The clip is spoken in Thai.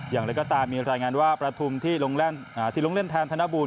อย่างไรก็ตามมีรายงานว่าประทุมที่ลงเล่นแทนธนบูร